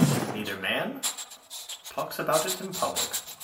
Neither man talks about it in public.